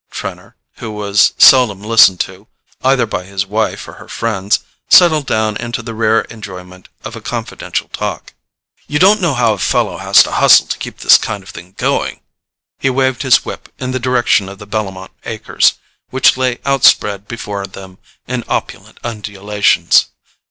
Trenor, who was seldom listened to, either by his wife or her friends, settled down into the rare enjoyment of a confidential talk. "You don't know how a fellow has to hustle to keep this kind of thing going." He waved his whip in the direction of the Bellomont acres, which lay outspread before them in opulent undulations.